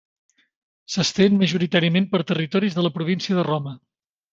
S'estén, majoritàriament, per territoris de la província de Roma.